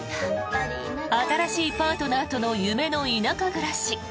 新しいパートナーとの夢の田舎暮らし。